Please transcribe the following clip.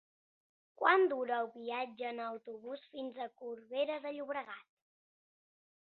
Quant dura el viatge en autobús fins a Corbera de Llobregat?